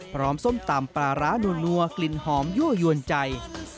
ส้มตำปลาร้านัวกลิ่นหอมยั่วยวนใจ